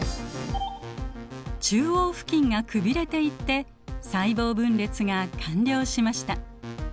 中央付近がくびれていって細胞分裂が完了しました。